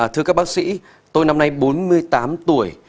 thưa các bác sĩ tôi năm nay bốn mươi tám tuổi